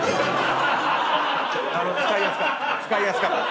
使いやすかった。